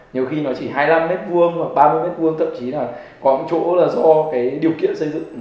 nhiều khi nó chỉ hai mươi năm m hai hoặc ba mươi m hai thậm chí là có chỗ là do cái điều kiện xây dựng